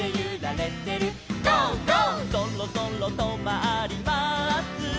「そろそろとまります」